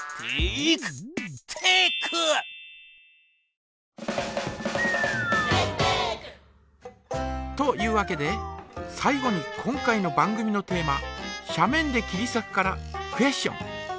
「テイクテック」！というわけで最後に今回の番組のテーマ「斜面できりさく」からクエスチョン。